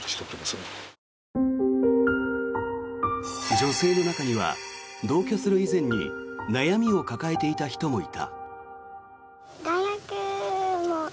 女性の中には、同居する以前に悩みを抱えていた人もいた。